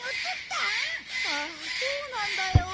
ああそうなんだよ。